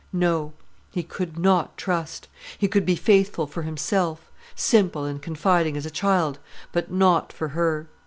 No; he could not trust. He could be faithful for himself; simple and confiding as a child; but not for her.